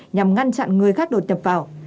nhằm ngăn chặn người khác đột nhập vào